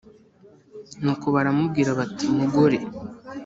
Nuko baramubwira bati mugore